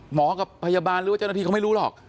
กับพยาบาลหรือว่าเจ้าหน้าที่เขาไม่รู้หรอก